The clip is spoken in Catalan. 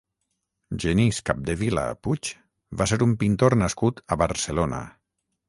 Genís Capdevila Puig va ser un pintor nascut a Barcelona.